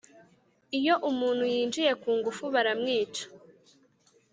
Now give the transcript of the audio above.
Iyo umuntu yinjiye ku ngufu baramwica